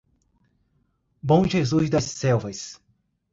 Bom Jesus das Selvas